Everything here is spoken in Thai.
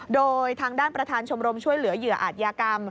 โดยทางด้านประธานชมรมช่วยเหลือเหยื่ออาจยากรรม